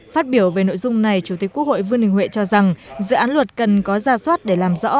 phát biểu về nội dung này chủ tịch quốc hội vương đình huệ cho rằng dự án luật cần có ra soát để làm rõ